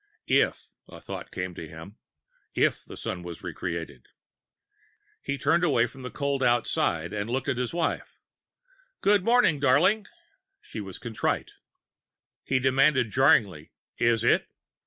If, a thought came to him, if the Sun was re created. He turned away from the cold outside and looked at his wife. "Good morning, darling." She was contrite. He demanded jarringly: "Is it?"